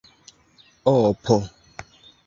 opo